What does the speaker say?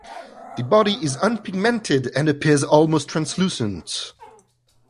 The body is unpigmented and appears almost translucent.